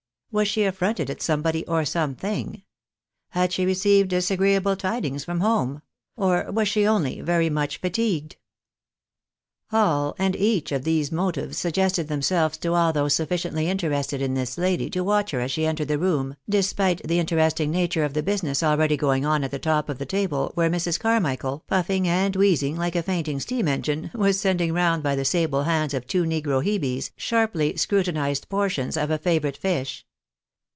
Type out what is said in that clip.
"Was she affronted at somebody or some thing ?"" Had she received disagreeable tidings from home? " or " was she only very much fatigued ?" All and each of these motives suggested themselves to all those sufficiently interested in this lady to watch her as she entered the room, despite the interest ing nature of the business already going on at the top of the table, where Mrs. Carmichael, puffing and wheezing like a fainting steam engine, was sending round by the sable hands of two negro Hebes, sharply scrutinised portions of a favourite fish.